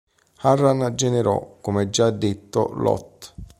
Harran generò, come già detto, Loth.